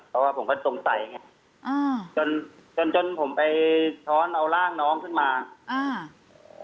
เพราะว่าผมก็สงสัยไงอ่าจนจนจนจนผมไปช้อนเอาร่างน้องขึ้นมาอ่า